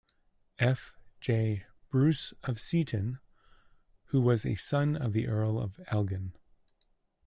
F. J. Bruce of Seaton, who was a son of the Earl of Elgin.